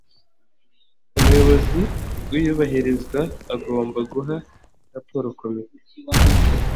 umuyobozi w iyubahirizwa agomba guha raporo komite